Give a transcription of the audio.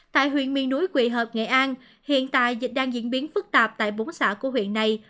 tại huyện miền núi quỳ hợp nghệ an hiện tại dịch đang diễn biến phức tạp tại bốn xã của huyện này